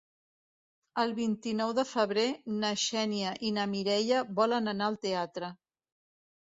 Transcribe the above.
El vint-i-nou de febrer na Xènia i na Mireia volen anar al teatre.